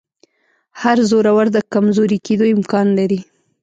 هر زورور د کمزوري کېدو امکان لري